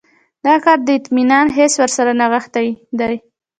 دا کار د اطمینان حس ورسره نغښتی دی.